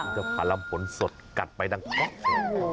อินทรพรรมผลสดกัดไปดังนั้น